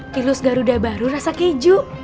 virus garuda baru rasa keju